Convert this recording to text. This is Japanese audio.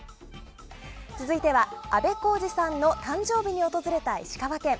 続いては、あべこうじさんの誕生日に訪れた石川県。